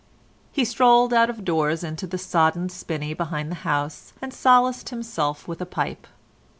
He strolled out of doors into the sodden spinney behind the house, and solaced himself with a pipe.